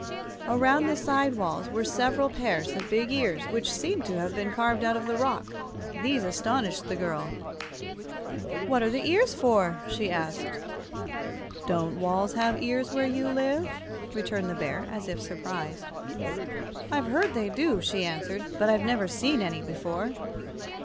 Around the side walls were several pairs of big ears, which seemed to have been carved out of the rock. These astonished the little girl. "What are the ears for?" she asked. "Don't walls have ears where you live?" returned the Bear, as if surprised. "I've heard they do," she answered, "but I've never seen any before."